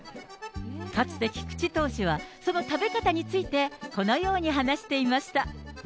かつて菊池投手は、その食べ方について、このように話していました。